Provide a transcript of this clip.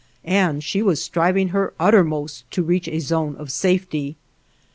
and she was striving her uttermost to reach a zone of safety.